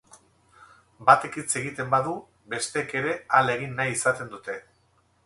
Batek hitz egiten badu, besteek ere hala egin nahi izaten dute.